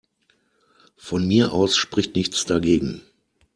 Von mir aus spricht nichts dagegen.